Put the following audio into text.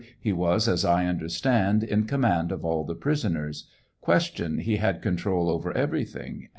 He was, as I understand, in command of all the prisoners. Q. He had control over everything?